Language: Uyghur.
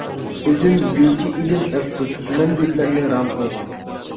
ئۆزۈم گۈلچى ئىدىم ئەپسۇس، تۈمەن گۈللەرنى رام قىلغان.